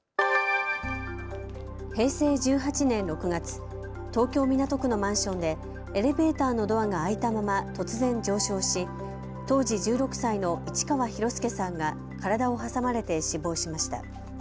平成１８年６月、東京港区のマンションでエレベーターのドアが開いたまま突然、上昇し当時１６歳の市川大輔さんが体を挟まれて死亡しました。